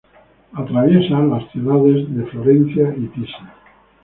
Atraviesa las ciudades de Florencia y Pisa.